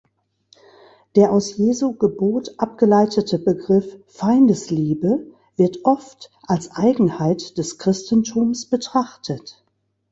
Der aus Jesu Gebot abgeleitete Begriff „Feindesliebe“ wird oft als Eigenheit des Christentums betrachtet.